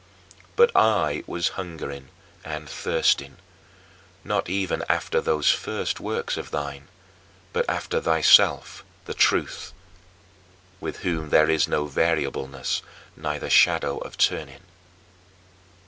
But I was hungering and thirsting, not even after those first works of thine, but after thyself the Truth, "with whom is no variableness, neither shadow of turning."